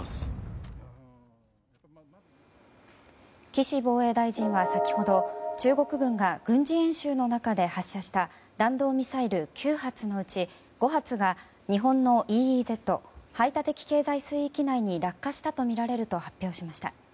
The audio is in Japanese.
岸防衛大臣は先ほど中国軍が軍事演習の中で発射した弾道ミサイル９発のうち５発が日本のＥＥＺ・排他的経済水域内に落下したとみられると発表しました。